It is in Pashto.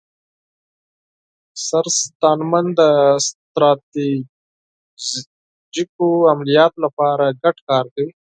سرساتنمن د ستراتیژیکو عملیاتو لپاره ګډ کار کوي.